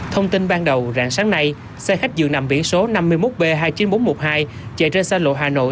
thông tin ban đầu rạng sáng nay xe khách dường nằm biển số năm mươi một b hai mươi chín nghìn bốn trăm một mươi hai chạy trên xa lộ hà nội